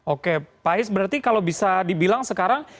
oke pak ais berarti kalau bisa dibilang sekarang